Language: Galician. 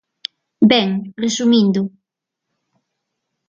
Ben, resumindo.